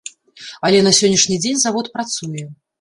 Але на сённяшні дзень завод працуе.